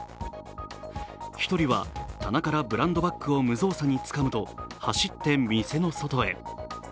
１人は棚からブランドバッグを無造作につかむと、走って店の外へ。